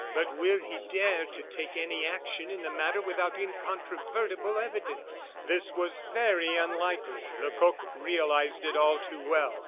"But will he dare to take any action in the matter without incontrovertible evidence?" This was very unlikely. Lecoq realized it all too well.